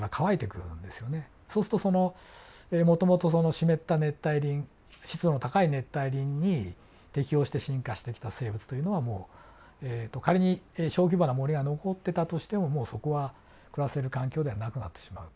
そうするとそのもともと湿った熱帯林湿度の高い熱帯林に適応して進化してきた生物というのはもう仮に小規模な森が残ってたとしてももうそこは暮らせる環境ではなくなってしまうと。